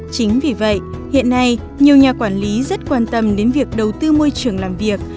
chính vì vậy hiện nay nhiều nhà quản lý rất quan tâm đến việc đầu tư môi trường làm việc